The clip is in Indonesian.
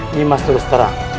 nimas terus terang